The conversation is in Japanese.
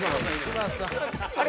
あれ？